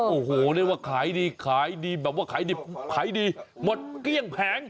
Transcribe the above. โอ้โหเดี๋ยวขายดีแบบว่าขายดีหมดเกลี้ยงแผง